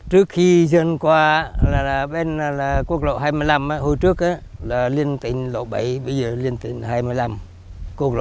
trước khi di chuyển qua là bên quốc lộ hai mươi năm hồi trước là liên tịnh lộ bảy bây giờ liên tịnh hai mươi năm quốc lộ hai mươi năm